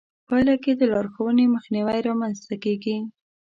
پايله کې د لارښوونې مخنيوی رامنځته کېږي.